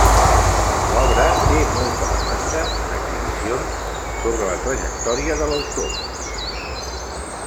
L'obra té molta demanda en exhibicions sobre la trajectòria de l'autor.